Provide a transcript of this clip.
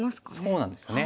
そうなんですよね。